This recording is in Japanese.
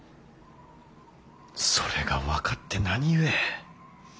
それが分かって何故。